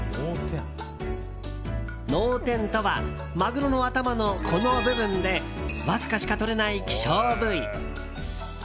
脳天とはマグロの頭のこの部分でわずかしかとれない希少部位。